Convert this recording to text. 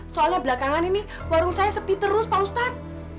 soalnya belakangan ini warung saya sepi terus pak ustadz